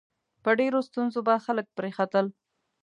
په ډېرو ستونزو به خلک پرې ختل.